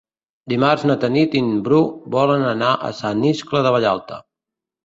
Dimarts na Tanit i en Bru volen anar a Sant Iscle de Vallalta.